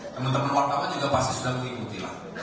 teman teman warga kami juga pasti sudah mengikuti